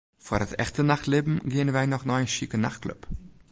Foar it echte nachtlibben geane wy noch nei in sjike nachtklup.